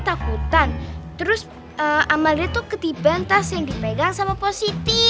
dia takutan terus amalia ketipen tas yang dipegang sama positi